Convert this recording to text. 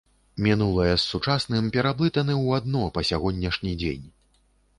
Мінулае з сучасным пераблытаны ў адно па сягонняшні дзень.